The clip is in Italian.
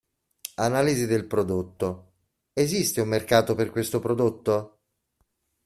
Analisi del prodotto: esiste un mercato per questo prodotto?